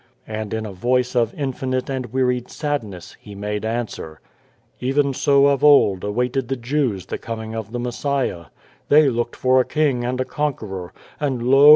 And in a voice of infinite and wearied sad ness, He made answer :" Even so of old awaited the Jews the Coming of the Messiah. They looked for a King and a Conqueror, and lo